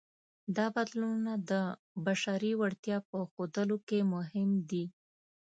دا بدلونونه د بشري وړتیا په ښودلو کې مهم دي.